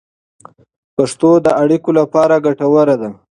پښتو د اړیکو لپاره ګټوره ده.